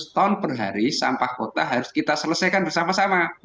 lima ratus ton per hari sampah kota harus kita selesaikan bersama sama